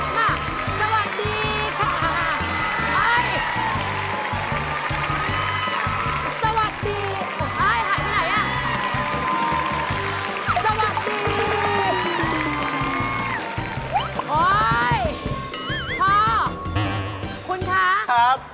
อืมอืมอืมมามาสวัสดีค่ะสวัสดีอุ๊ยค่ะคุณคะครับ